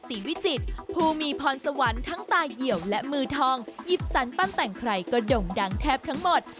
วิจิตผู้มีพรสวรรค์ทั้งตาเหี่ยวและมือทองหยิบสรรปั้นแต่งใครก็ด่งดังแทบทั้งหมด